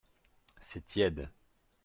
C’est tiède.